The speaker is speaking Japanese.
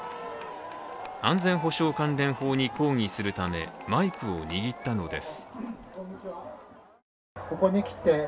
安全保障関連法に抗議するためマイクを握ったのです。